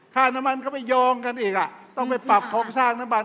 ค่าน้ำมันก็ไปโยงกันอีกอ่ะต้องไปปรับโครงสร้างน้ำมัน